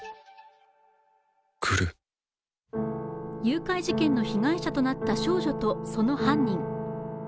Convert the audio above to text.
誘拐事件の被害者となった少女と、その犯人。